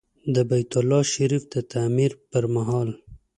د بیت الله شریف د تعمیر پر مهال.